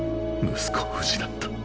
息子を失った。